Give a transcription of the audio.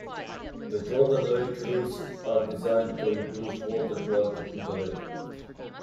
The Jordan Lake Rules are designed to improve water quality in the lake.